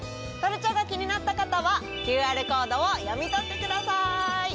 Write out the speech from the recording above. トルチャが気になった方はＱＲコードを読み取ってください！